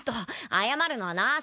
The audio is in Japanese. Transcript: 謝るのはなし。